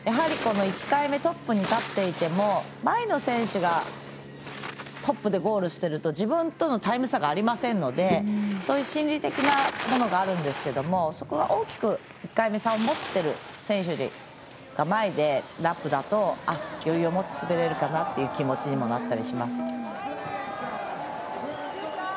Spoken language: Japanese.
１回目トップに立っていても前の選手がトップでゴールしていると自分とのタイム差がありませんのでそういう心理的なものがあるんですがそこで１回目、差を持っている選手が前のラップだと余裕を持って滑れるのかなという気持ちにもなったりします。